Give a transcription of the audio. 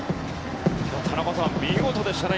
田中さん、見事でしたね